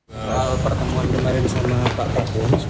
soal pertemuan kemarin sama pak prabowo